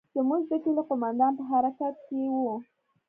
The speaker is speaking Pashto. زموږ د کلي قومندان په حرکت کښې و.